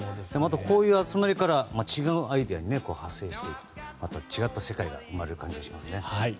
こういう集まりから違うアイデアに派生してまた違った世界が生まれるかもしれないですね。